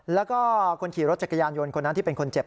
แล้วก็คนขี่รถจักรยานยนต์คนนั้นที่เป็นคนเจ็บ